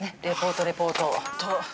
レポートレポート。